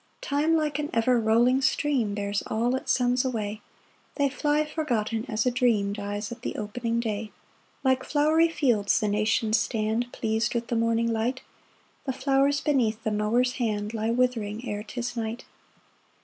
7 Time like an ever rolling stream Bears all its Sons away; They fly forgotten as a dream Dies at the opening day. 8 Like flowery fields the nations stand Pleas'd with the morning light; The flowers beneath the mower's hand Lie withering ere 'tis night.